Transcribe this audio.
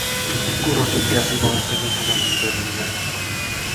Kurotin käsivarteni hänen ympärilleen.